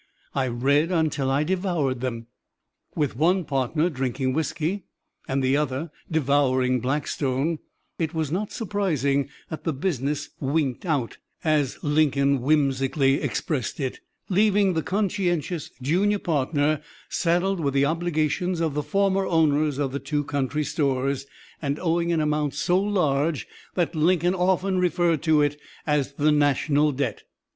I read until I devoured them." With one partner drinking whisky and the other devouring "Blackstone," it was not surprising that the business "winked out," as Lincoln whimsically expressed it, leaving the conscientious junior partner saddled with the obligations of the former owners of two country stores, and owing an amount so large that Lincoln often referred to it as "the national debt."